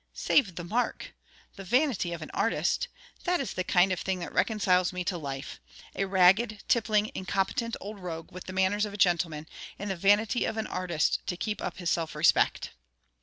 Save the mark! The vanity of an artist! That is the kind of thing that reconciles me to life: a ragged, tippling, incompetent old rogue, with the manners of a gentleman, and the vanity of an artist, to keep up his self respect!